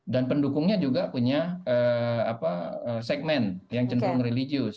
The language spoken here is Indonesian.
dan pendukungnya juga punya segmen yang cenderung religius